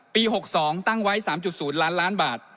๖๒ตั้งไว้๓๐ล้านล้านบาท